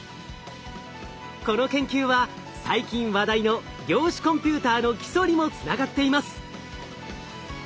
この研究は最近話題の量子コンピューターの基礎にもつながっています。